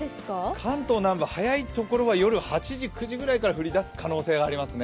関東南部、早いところは夜８時、９時くらいから降り出すところがありますね。